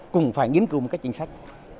cũng phải nghiên cứu một cái chính sách